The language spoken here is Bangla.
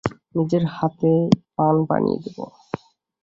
নিজের হাতে পান বানিয়ে দেব।